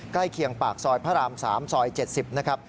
ใกล้เคียงปากซอยพระราม๓ซอย๗๐นะครับ